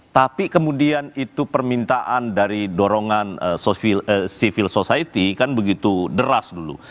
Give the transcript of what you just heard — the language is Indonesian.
tapi kemudian itu permintaan dari dorongan civil society kan begitu deras dulu